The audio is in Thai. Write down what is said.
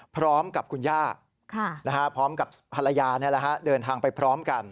พร้อมกับคุณย่าพร้อมกับภรรยาเดินทางไปพร้อมกัน